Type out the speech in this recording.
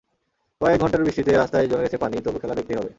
কয়েক ঘণ্টার বৃষ্টিতে রাস্তায় জমে গেছে পানি, তবু খেলা দেখতেই হবে।